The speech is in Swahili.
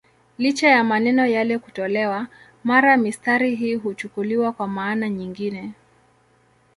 Licha ya maneno yale kutolewa, mara mistari hii huchukuliwa kwa maana nyingine.